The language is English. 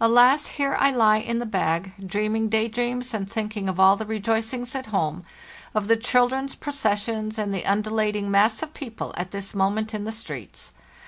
Alas! here I lie in the bag, dreaming day dreams and thinking of all the rejoicings at home, of the children's processions and the undulating mass of people at this moment in the streets.